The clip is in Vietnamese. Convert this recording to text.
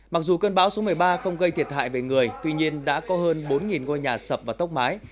mặc dù cơn bão số một mươi ba không gây thiệt hại về người tuy nhiên đã có hơn bốn ngôi nhà sập và tốc mái